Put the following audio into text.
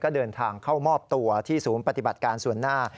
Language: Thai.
เดินทางเข้ามอบตัวที่ศูนย์ปฏิบัติการส่วนหน้า